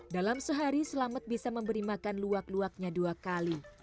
dalam sehari selamet bisa memberi makan luwak luwaknya dua kali